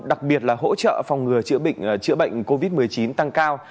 đặc biệt là hỗ trợ phòng ngừa chữa bệnh covid một mươi chín tăng cao